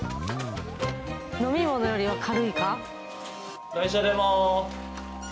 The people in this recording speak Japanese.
飲み物よりは軽いか？